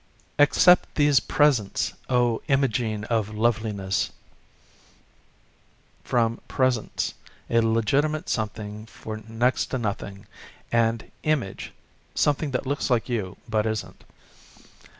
"Accept these presence, (3h, Imogene of love liness!" (From presents, a legitimate something for next to nothing and Image, something that looks like you but isn't).